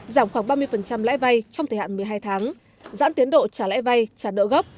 giảm khoảng ba mươi lãi vay trong thời hạn một mươi hai tháng giãn tiến độ trả lãi vay trả nợ gốc